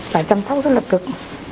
và chăm sóc rất là cực